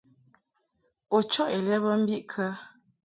U chɔʼ ilɛ bə mbiʼ kə ?